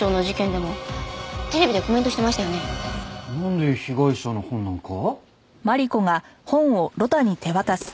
なんで被害者の本なんか？